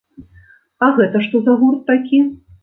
А гэта што за гурт такі?